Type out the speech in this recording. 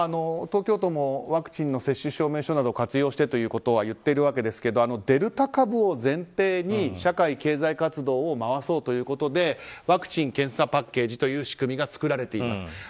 東京都もワクチン接種証明書を活用してとは言っているわけですがデルタ株を前提に社会経済活動を回そうということでワクチン・検査パッケージという仕組みが作られています。